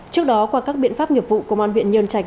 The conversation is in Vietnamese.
trước đó qua các biện pháp nghiệp vụ công an huyện nhân trạch